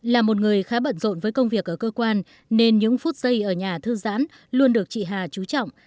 là một người khá bận rộn với công việc ở cơ quan nên những phút giây ở nhà thư giãn luôn được chị hà chú trọng